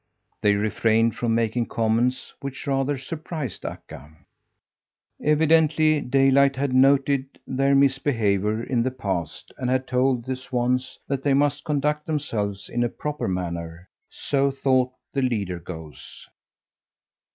They refrained from making comments, which rather surprised Akka. Evidently Daylight had noted their misbehaviour in the past and had told the swans that they must conduct themselves in a proper manner so thought the leader goose.